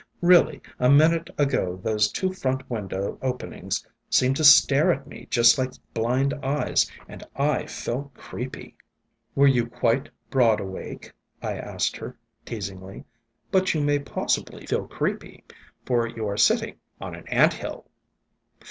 Really, a minute ago those two front win dow openings seemed to stare at me just like blind eyes, and I felt creepy." "Were you quite broad awake ?" I asked her teasingly. "But you may possibly feel creepy, for you are sitting on an ant hill!"